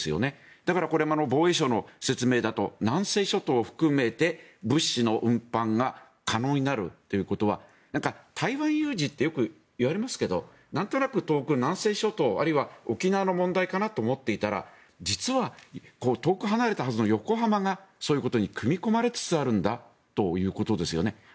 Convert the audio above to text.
だからこれ、防衛省の説明だと南西諸島を含めて物資の運搬が可能になるということは台湾有事ってよくいわれますけどなんとなく南西諸島あるいは沖縄の問題かなと思っていたら実は遠く離れたはずの横浜がそういうことに組み込まれつつあるんだということですよね。